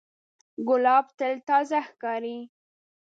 ګلاب تل تازه ښکاري.